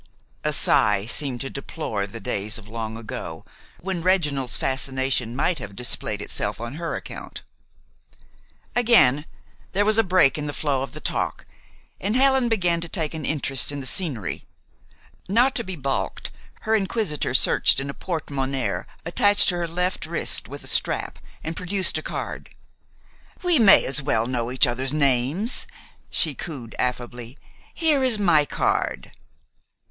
A sigh seemed to deplore the days of long ago, when Reginald's fascination might have displayed itself on her account. Again there was a break in the flow of talk, and Helen began to take an interest in the scenery. Not to be balked, her inquisitor searched in a portmonnaie attached to her left wrist with a strap, and produced a card. "We may as well know each other's names," she cooed affably. "Here is my card."